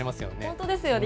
本当ですよね。